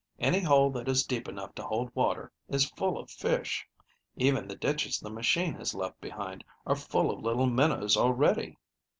Any hole that is deep enough to hold water is full of fish. Even the ditches the machine has left behind are full of little minnows already."